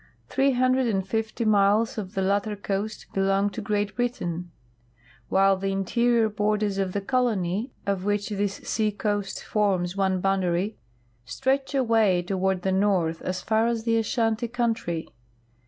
Three hundred and fifty miles of the latter coast belong to Great Britain, while the interior borders of the colony, of which this sea coast forms one boundary, stretch away toward the north as far as the Ashanti country.